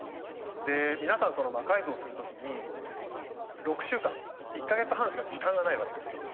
皆さん魔改造する時に６週間１か月半しか時間がないわけですよ。